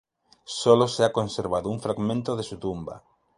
Sólo se ha conservado un fragmento de su tumba.